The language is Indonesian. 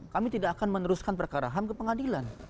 kami tidak akan meneruskan perkara ham ke pengadilan